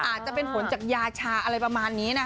อาจจะเป็นผลจากยาชาอะไรประมาณนี้นะคะ